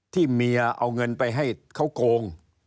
ที่เมียเอาเงินไปให้เขาโกง